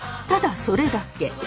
ただそれだけ。